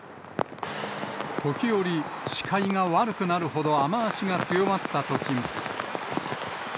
時折、視界が悪くなるほど雨足が強まったときも。